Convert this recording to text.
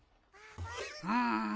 うん。